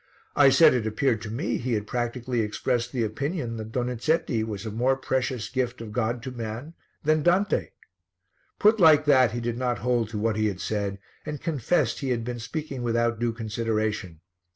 I said it appeared to me he had practically expressed the opinion that Donizetti was a more precious gift of God to man than Dante. Put like that, he did not hold to what he had said and confessed he had been speaking without due consideration.